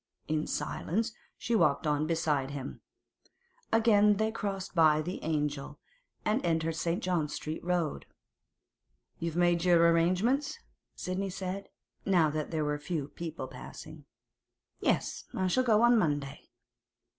In silence she walked on beside him. Again they crossed by the 'Angel' and entered St. John Street Road. 'You've made your arrangements?' Sidney said, now that there were few people passing. 'Yes; I shall go on Monday.